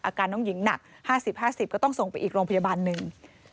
อาการน้องหญิงหนัก๕๐๕๐ก็ต้องส่งไปอีกโรงพยาบาลหนึ่ง